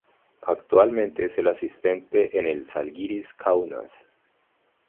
Actualmente es asistente en el Zalgiris Kaunas.